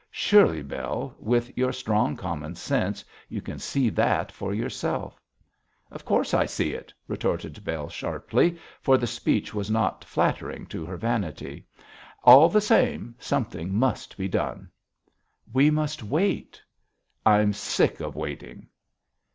Surely, Bell, with your strong common sense, you can see that for yourself!' 'Of course I see it,' retorted Bell, sharply, for the speech was not flattering to her vanity; 'all the same, something must be done.' 'We must wait.' 'I'm sick of waiting.'